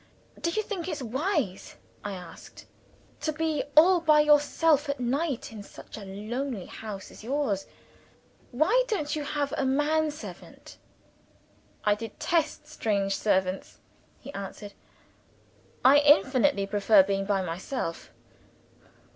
"Do you think it's wise," I asked, "to be all by yourself at night in such a lonely house as yours? Why don't you have a manservant?" "I detest strange servants," he answered. "I infinitely prefer being by myself."